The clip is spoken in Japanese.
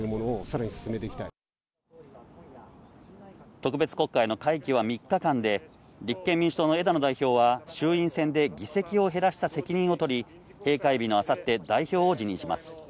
特別国会の会期は３日間で、立憲民主党の枝野代表は衆院選で議席を減らした責任を取り、閉会日の明後日、代表を辞任します。